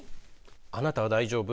あなたは大丈夫？